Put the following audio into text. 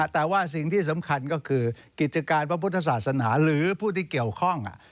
แต่ว่าสิ่งที่สำคัญก็คือกิจการพระพุทธศาสนาหรือผู้ที่เกี่ยวข้อง